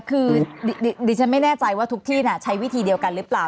คือดิฉันไม่แน่ใจว่าทุกที่ใช้วิธีเดียวกันหรือเปล่า